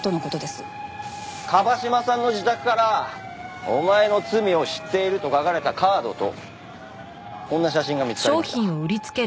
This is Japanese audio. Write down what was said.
椛島さんの自宅から「お前の罪を知っている」と書かれたカードとこんな写真が見つかりました。